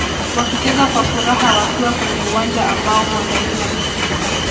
Wakicheza kwa furaha wakiwa kwenye uwanja ambao huandaliwa